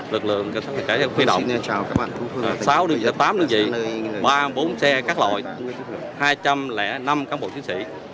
lực lượng chức năng chữa cháy đã huy động sáu tám lực lượng ba bốn xe các loại hai trăm linh năm cán bộ chiến sĩ